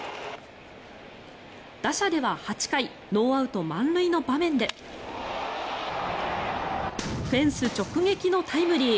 打者では８回ノーアウト満塁の場面でフェンス直撃のタイムリー。